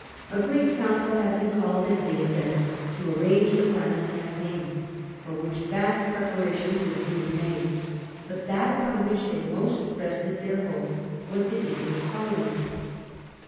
A great council had been called at Wesel to arrange the plan of cam paign, for which vast preparations were being made. But that upon which they most rested their hopes was the English Parliament.